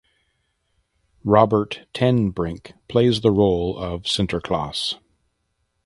Robert ten Brink plays the role of Sinterklaas.